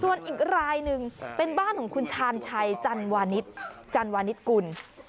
ส่วนอีกรายหนึ่งเป็นบ้านของคุณชาญชัยจันวานิสจันวานิสกุล